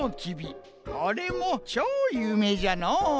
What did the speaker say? これもちょうゆうめいじゃのう。